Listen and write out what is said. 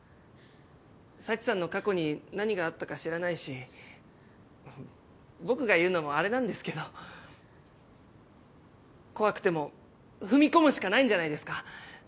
佐知さんの過去に何があったか知らないし僕が言うのもあれなんですけど怖くても踏み込むしかないんじゃないですか？